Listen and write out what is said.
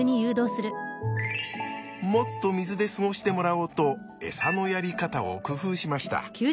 もっと水で過ごしてもらおうとエサのやり方を工夫しました。